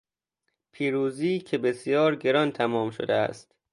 پیروزی که بسیار گران تمام شده است